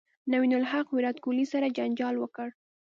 نوین الحق ویرات کوهلي سره جنجال وکړ